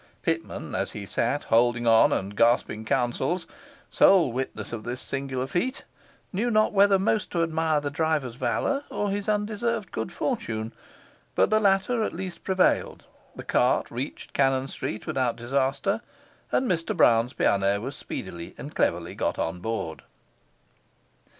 Pitman, as he sat holding on and gasping counsels, sole witness of this singular feat, knew not whether most to admire the driver's valour or his undeserved good fortune. But the latter at least prevailed, the cart reached Cannon Street without disaster; and Mr Brown's piano was speedily and cleverly got on board.